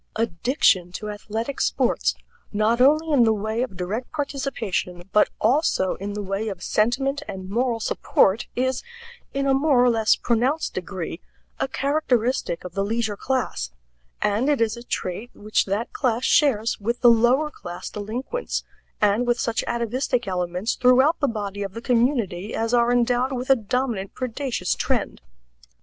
Addiction to athletic sports, not only in the way of direct participation, but also in the way of sentiment and moral support, is, in a more or less pronounced degree, a characteristic of the leisure class; and it is a trait which that class shares with the lower class delinquents, and with such atavistic elements throughout the body of the community as are endowed with a dominant predaceous trend.